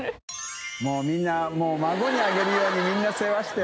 發みんな孫にあげるようにみんな世話して。